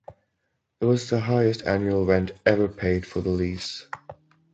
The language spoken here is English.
It was the highest annual rent ever paid for the lease.